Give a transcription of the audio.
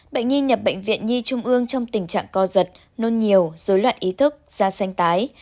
bệnh nhi nhập bệnh viện nhi trung ương trong tình trạng co giật nôn nhiều dối loạn ý thức da xanh tái